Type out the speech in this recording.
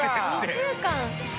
２週間。